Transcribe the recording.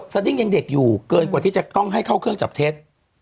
สดิ้งยังเด็กอยู่เกินกว่าที่จะต้องให้เข้าเครื่องจับเท็จ